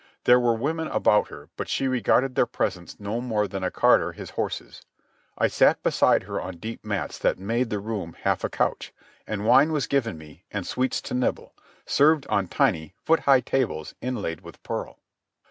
There were women about her, but she regarded their presence no more than a carter his horses. I sat beside her on deep mats that made the room half a couch, and wine was given me and sweets to nibble, served on tiny, foot high tables inlaid with pearl.